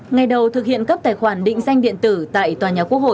ngày đầu thực hiện cấp tài khoản định danh điện tử tại tòa nhà quốc hội